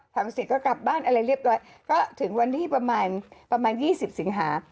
ทำเสร็จก็กลับบ้านอะไรเรียบร้อยก็ถึงวันที่ประมาณประมาณ๒๐สิงหา